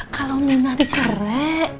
kalau menari cere